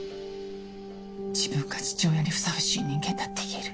自分が父親にふさわしい人間だっていえる？